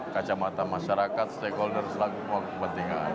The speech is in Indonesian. kacamata masyarakat stakeholder selaku kepentingan